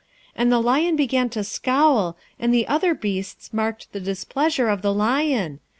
And the lion began to scowl, and the other beasts marked the displeasure of the lion.